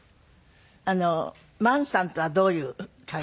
萬さんとはどういう関係？